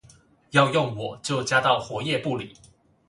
要用我就加到活頁簿裡